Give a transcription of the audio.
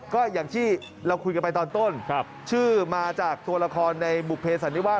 ก็อย่างที่เราคุยกันไปตอนต้นชื่อมาจากตัวละครในบุภเสันนิวาส